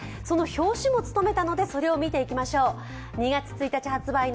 その表紙も務めたので、それも見ていきましょう。